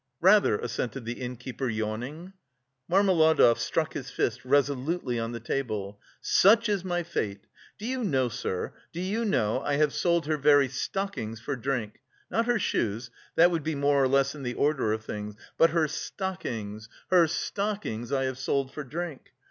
"Rather!" assented the innkeeper yawning. Marmeladov struck his fist resolutely on the table. "Such is my fate! Do you know, sir, do you know, I have sold her very stockings for drink? Not her shoes that would be more or less in the order of things, but her stockings, her stockings I have sold for drink!